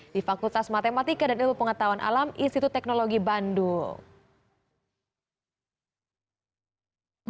di fakultas matematika dan ilmu pengetahuan alam institut teknologi bandung